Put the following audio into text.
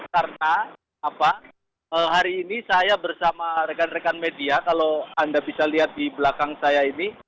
karena apa hari ini saya bersama rekan rekan media kalau anda bisa lihat di belakang saya ini